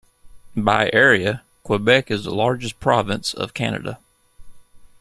By area, Quebec is the largest province of Canada.